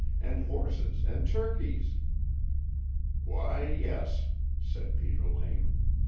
"And horses. And turkeys." "Why, yes," said Peter Lane.